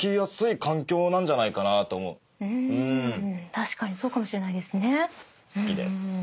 確かにそうかもしれないですね。